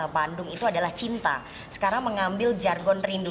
bandung itu adalah cinta sekarang mengambil jargon rindu